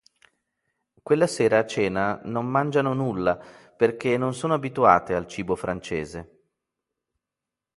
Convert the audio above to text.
Quella sera a cena non mangiano nulla perché non sono abituate al cibo francese.